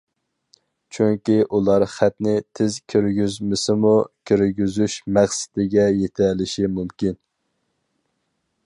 چۈنكى ئۇلار خەتنى تىز كىرگۈزمىسىمۇ، كىرگۈزۈش مەقسىتىگە يىتەلىشى مۇمكىن.